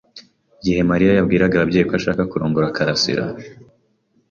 Igihe Mariya yabwiraga ababyeyi be ko ashaka kurongora karasira,